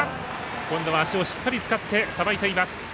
今度は足をしっかり使ってさばいています。